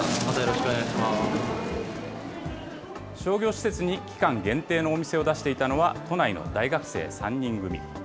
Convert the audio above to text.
商業施設に期間限定のお店を出していたのは、都内の大学生３人組。